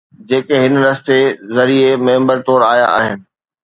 جيڪي هن رستي ذريعي ميمبر طور آيا آهن.